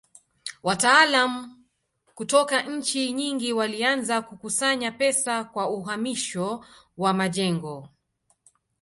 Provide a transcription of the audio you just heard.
Wataalamu kutoka nchi nyingi walianza kukusanya pesa kwa uhamisho wa majengo.